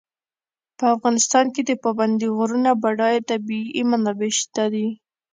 په افغانستان کې د پابندي غرونو بډایه طبیعي منابع شته دي.